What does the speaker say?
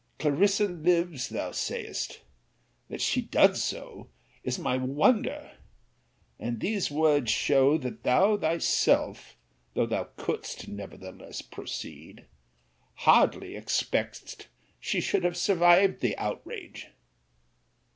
CLARISSA LIVES, thou sayest. That she does is my wonder: and these words show that thou thyself (though thou couldst, nevertheless, proceed) hardly expectedst she would have survived the outrage.